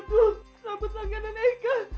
kalau berjalan seru